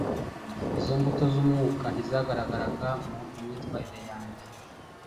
Izo mbuto z’umwuka ntizangaragaraga mu myitwarire yanjye.